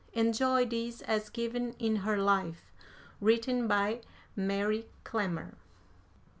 Enjoy these as given in her life, written by Mary Clemmer.